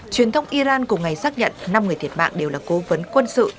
truyền thông iran cùng ngày xác nhận năm người thiệt mạng đều là cố vấn quân sự